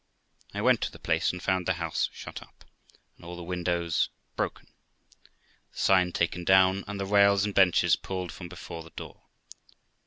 I went to the place and found the house shut up, and all the windows broken, the sign taken down, and the rails and benches pulled from before the door.